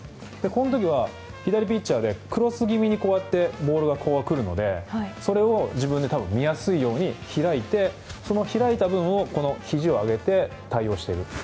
この時は、左ピッチャーでクロス気味にボールが来るのでそれを自分で見やすいように開いて、その開いた分をひじを上げて対応している。